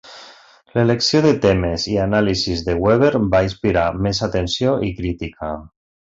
L'elecció de temes i anàlisis de Weber va inspirar més atenció i crítica.